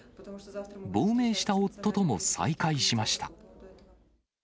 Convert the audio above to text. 亡命した夫とも再会しました。